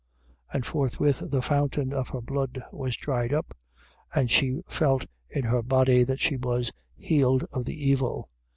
5:29. And forthwith the fountain of her blood was dried up, and she felt in her body that she was healed of the evil.